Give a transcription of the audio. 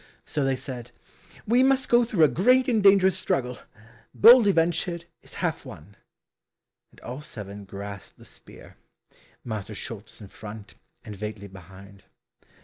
So they said, "We must go through a great and dangerous struggle. Boldly ventured, is half won," and all seven grasped the spear, Master Schulz in front, and Veitli behind.